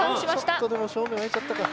ちょっとでも正面あいちゃったか。